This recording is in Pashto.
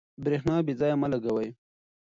برېښنا بې ځایه مه لګوئ.